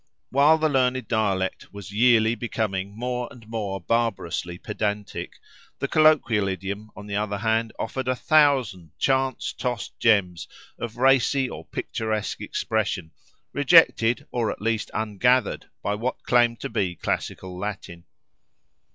While the learned dialect was yearly becoming more and more barbarously pedantic, the colloquial idiom, on the other hand, offered a thousand chance tost gems of racy or picturesque expression, rejected or at least ungathered by what claimed to be classical Latin.